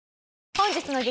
本日の激